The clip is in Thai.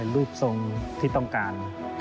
รูปทรงที่ต้องการ